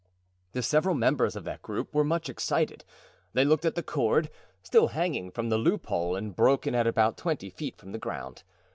The several members of that group were much excited. They looked at the cord, still hanging from the loophole and broken at about twenty feet from the ground.